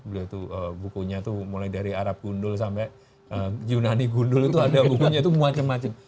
beliau tuh bukunya tuh mulai dari arab gundul sampai yunani gundul itu ada bukunya itu macam macam